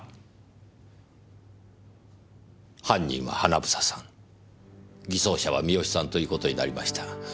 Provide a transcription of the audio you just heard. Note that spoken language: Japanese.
犯人は英さん偽装者は三好さんという事になりました。